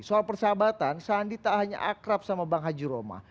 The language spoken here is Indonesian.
soal persahabatan sandi tak hanya akrab sama bang haji roma